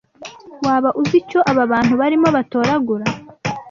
WABA uzi icyo aba bantu barimo batoragura?